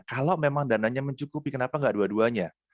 kalau memang dananya mencukupi kenapa nggak dua duanya